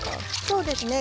そうですね。